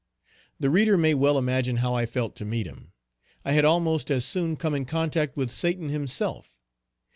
The reader may well imagine how I felt to meet him. I had almost as soon come in contact with Satan himself.